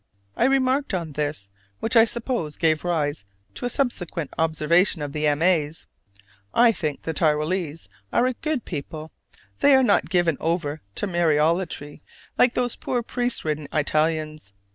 I remarked on this, which I suppose gave rise to a subsequent observation of the M. A.'s: "I think the Tyrolese are a good people: they are not given over to Mariolatry like those poor priest ridden Italians."